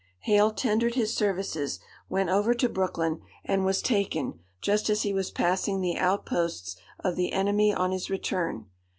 Hale tendered his services, went over to Brooklyn, and was taken, just as he was passing the outposts of the enemy on his return.